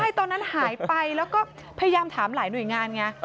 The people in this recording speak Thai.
ใช่ตอนนั้นหายไปแล้วก็พยายามถามหลายหน่วยงานไง